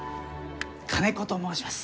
金子と申します。